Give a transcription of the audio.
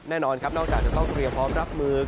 แน่นอนครับนอกจากจะต้องเตรียมพร้อมรับมือ